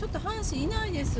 いないんですよ。